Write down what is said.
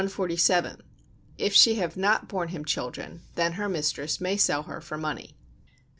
If she have not borne him children, then her mistress may sell her for money.